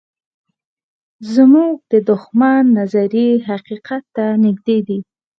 زموږ د دښمن نظریې حقیقت ته نږدې دي.